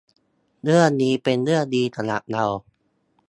เรื่องนี้เป็นเรื่องดีสำหรับเรา